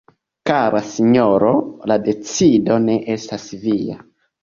Kara Sinjoro, la decido ne estas via.